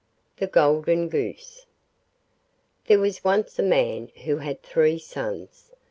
THE GOLDEN GOOSE There was once a man who had three sons.